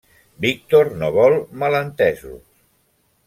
Víctor no vol malentesos.